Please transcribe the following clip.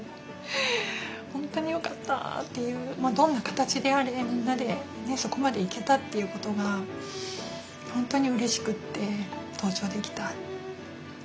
本当によかったというどんな形であれみんなでそこまで行けたということが本当にうれしくて登頂できた。